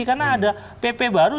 karena ada pp baru